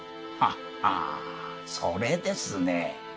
ははあそれですね。